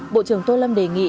bộ trưởng tô lâm đề nghị